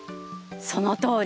そのとおりです。